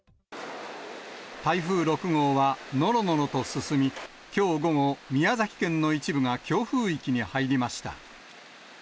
台風６号はのろのろと進み、きょう午後、宮崎県の一部が強風域に入りました。